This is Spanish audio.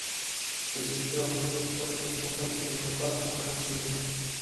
Sus extraordinarios poderes nunca le servían para mejorar su vida.